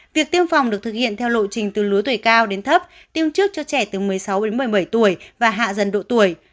việc tiêm phòng được thực hiện theo lộ trình từ lứa tuổi cao đến thấp tiêm trước cho trẻ từ một mươi sáu đến một mươi bảy tuổi và hạ dần độ tuổi